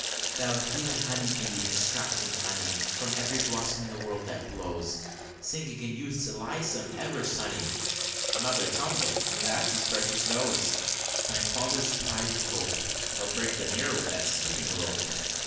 Thou human humming bee, extracting honey From ev'ry blossom in the world that blows, Singing in Youth's Elysium ever sunny, (Another tumble! that's his precious nose!) Thy father's pride and hope! (He'll break the mirror with that skipping rope!)